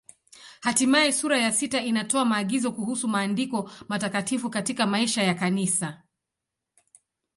Hatimaye sura ya sita inatoa maagizo kuhusu Maandiko Matakatifu katika maisha ya Kanisa.